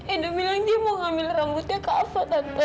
edo bilang dia mau ambil rambutnya kava tante